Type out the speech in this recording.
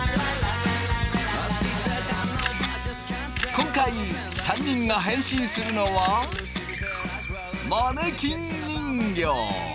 今回３人が変身するのはマネキン人形。